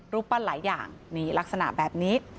รูปปั้นหลายอย่างนี่ลักษณะแบบนี้